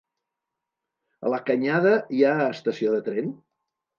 A la Canyada hi ha estació de tren?